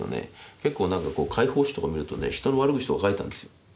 結構何か会報誌とか見るとね人の悪口とか書いてあんですよ。